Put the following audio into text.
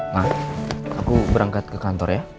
nah aku berangkat ke kantor ya